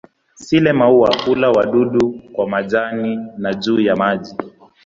Sile-maua hula wadudu kwa majani na juu ya maji.